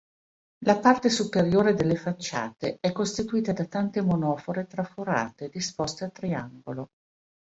La parte superiore delle facciate è costituita da tante monofore traforate disposte a triangolo.